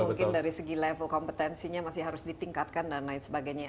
mungkin dari segi level kompetensinya masih harus ditingkatkan dan lain sebagainya